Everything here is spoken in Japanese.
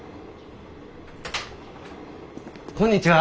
こんにちは。